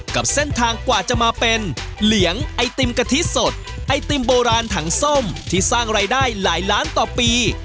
กับเส้นทางกว่าจะมาเป็นเหลียงไอติมกะทิสดไอติมโบราณถังส้มที่สร้างรายได้หลายล้านต่อปี